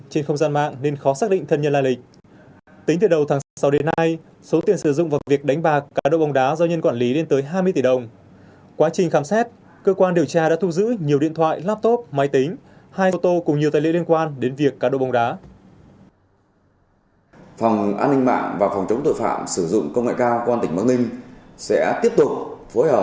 trên không gian máy các đối tượng có thể gặp những người quen và hoạt động ẩn danh